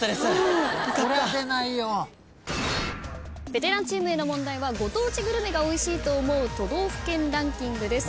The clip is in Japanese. ベテランチームへの問題はご当地グルメがおいしいと思う都道府県ランキングです。